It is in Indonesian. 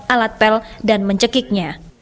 alat pel dan mencekiknya